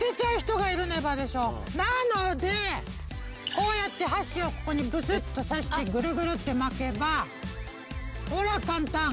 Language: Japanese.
こうやって箸をここにブスッと挿してぐるぐるって巻けばほら簡単。